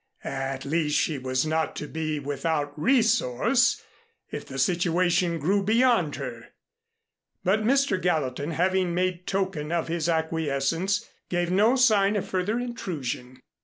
At least she was not to be without resource if the situation grew beyond her. But Mr. Gallatin having made token of his acquiescence, gave no sign of further intrusion.